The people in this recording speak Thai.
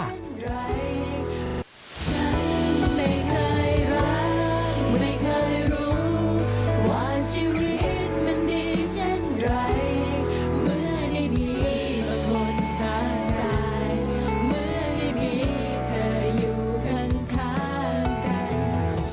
ท่านทายเมื่อได้มีเธออยู่ข้างกัน